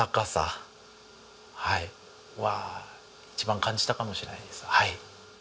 はい一番感じたかもしれないです。